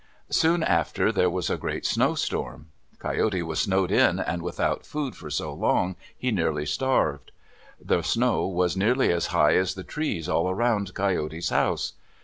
Soon after there was a great snowstorm. Coyote was snowed in and without food for so long he nearly starved. The snow was nearly as high as the trees all around Coyote's house.